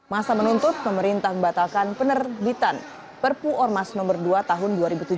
masa menuntut pemerintah membatalkan penerbitan perpu ormas nomor dua tahun dua ribu tujuh belas